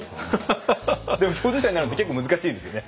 でも共事者になるって結構難しいですよね